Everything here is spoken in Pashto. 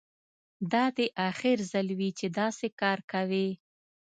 دا دې اخر ځل وي چې داسې کار کوې